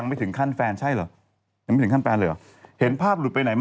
ดังนี้จะกินอร่อยดังกลัว